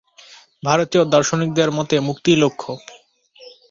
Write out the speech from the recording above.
ভারতীয় দার্শনিকদের মতে মুক্তিই লক্ষ্য।